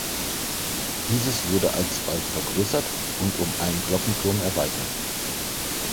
Dieses wurde alsbald vergrößert und um einen Glockenturm erweitert.